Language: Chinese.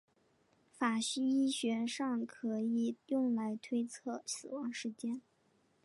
法医学上可以用来推测死亡时间。